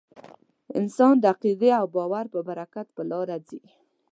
انسان د عقیدې او باور په برکت په لاره ځي.